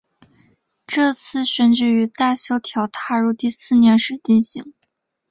这次选举于大萧条踏入第四年时进行。